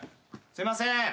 すいませーん！